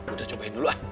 udah cobain dulu ah